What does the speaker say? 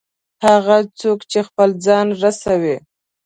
هغه څوک چې خپل ځان رسوي.